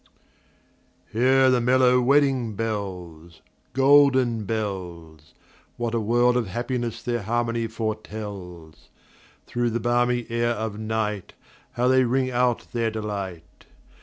Hear the mellow wedding bells, Golden bells! What a world of happiness their harmony foretells! Through the balmy air of nightHow they ring out their delight!